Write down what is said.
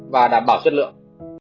và đảm bảo chất lượng